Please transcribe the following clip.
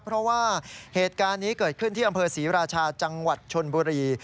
เพราะว่าเหตุการณ์นี้เกิดขึ้นที่อำเภอศรีราชาจังหวัดชนบุรี